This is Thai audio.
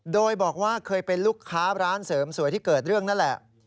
โดยบอกว่าเคยเป็นลูกค้าร้านเสริมสวยที่เกิดเรื่องนั่นแหละ